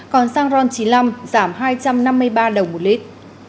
còn xăng ron chín mươi năm giảm hai trăm năm mươi ba đồng một lít